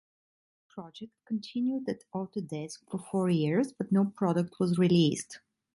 The project continued at Autodesk for four years, but no product was released.